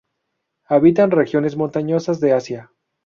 Habitan regiones montañosas de Asia.